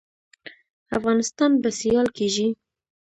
افغانستان به سیال کیږي؟